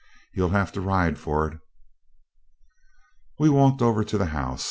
He'll have to ride for it.' We walked over to the house.